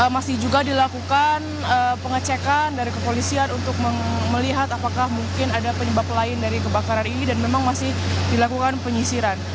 masih juga dilakukan pengecekan dari kepolisian untuk melihat apakah mungkin ada penyebab lain dari kebakaran ini dan memang masih dilakukan penyisiran